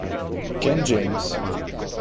Ken James